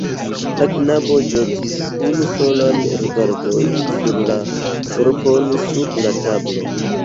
La knabo ĵetis unu solan rigardon sur la korpon sub la tablo.